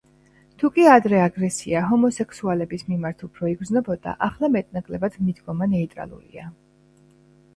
თუკი ადრე აგრესია ჰომოსექსუალების მიმართ უფრო იგრძნობოდა, ახლა მეტ-ნაკლებად მიდგომა ნეიტრალურია.